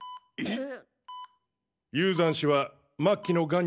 えっ。